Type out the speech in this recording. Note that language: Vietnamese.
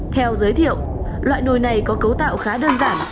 theo giới thiệu loại nồi này có cấu tạo khá đơn giản